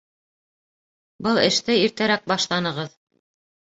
Был эште иртәрәк башланығыҙ.